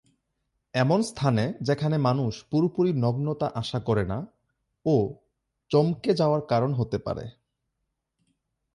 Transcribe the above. এমন স্থানে যেখানে মানুষ পুরোপুরি নগ্নতা আশা করে না ও চমকে যাওয়ার কারণ হতে পারে।